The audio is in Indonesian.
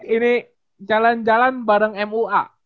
ini jalan jalan bareng mua